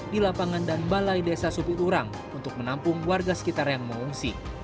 di lapangan dan balai desa supiturang untuk menampung warga sekitar yang mengungsi